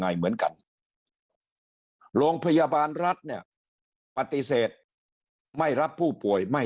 ไงเหมือนกันโรงพยาบาลรัฐเนี่ยปฏิเสธไม่รับผู้ป่วยไม่